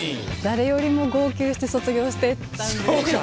誰よりも号泣して卒業して行ったんで。